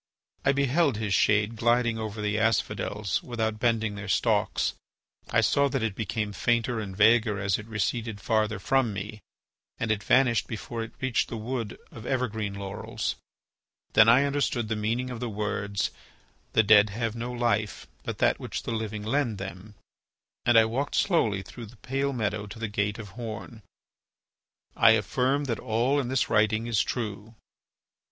I beheld his. shade gliding over the asphodels without bending their stalks. I saw that it became fainter and vaguer as it receded farther from me, and it vanished before it reached the wood of evergreen laurels. Then I understood the meaning of the words, "The dead have no life, but that which the living lend them," and I walked slowly through the pale meadow to the gate of horn. I affirm that all in this writing is true.